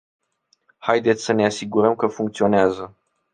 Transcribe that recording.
Haideți să ne asigurăm că funcționează.